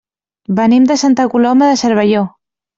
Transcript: Venim de Santa Coloma de Cervelló.